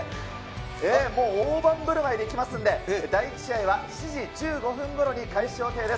ええ、もう、大盤ぶるまいでいきますんで、第１試合は７時１５分ごろに開始予定です。